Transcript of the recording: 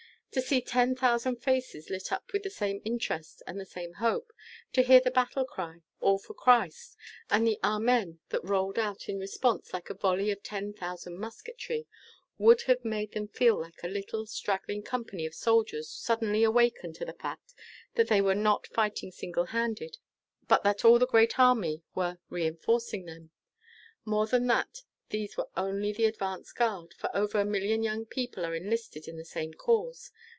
To see ten thousand faces lit up with the same interest and the same hope, to hear the battle cry, 'All for Christ,' and the Amen that rolled out in response like a volley of ten thousand musketry, would have made them feel like a little, straggling company of soldiers suddenly awakened to the fact that they were not fighting single handed, but that all that great army were re enforcing them. More than that, these were only the advance guard, for over a million young people are enlisted in the same cause.